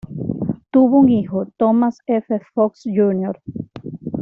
Tuvo un hijo, Thomas F. Fox, Jr.